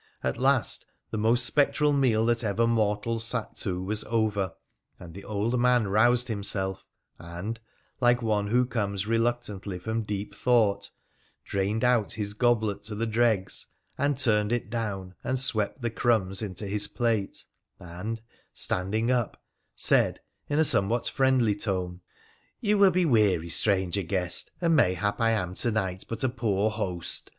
At last the most spectral meal that ever mortal sat to was over, and the old man roused himself, and, like one who comes reluctantly from deep thought, drained out his goblet to the dregs, and turned it down and swept the crumbs into his plate, and, standing up, said in somewhat friendly tone : PUR A THE PUCENIClAtf 2^ 1 You will be weary, stranger guest, and mayhap I am to night but a poor host.